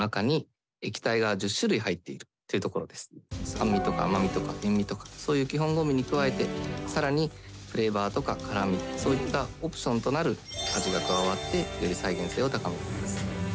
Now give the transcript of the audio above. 酸味とか甘味とか塩味とかそういう基本五味に加えて更にフレーバーとか辛味そういったオプションとなる味が加わってより再現性を高めています。